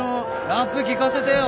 ラップ聴かせてよ。